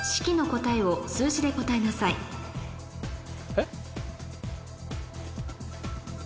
えっ？